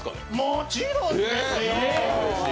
もちろんですよぉ！